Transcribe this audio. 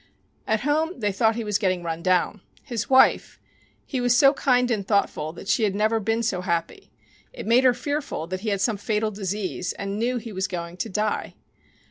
At home they thought he was getting run down. His wife ! He was so kind and thoughtful that she had never been so happy. It made her fearful that he had some fatal disease and knew he was going to die.